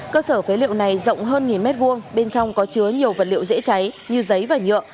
cơ sở phế liệu này rộng hơn nghìn mét vuông bên trong có chứa nhiều vật liệu dễ cháy như giấy và nhựa